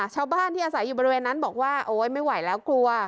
ชาวบ้านที่อาศัยอยู่บริเวณนั้นบอกว่าโอ๊ยไม่ไหวแล้วกลัว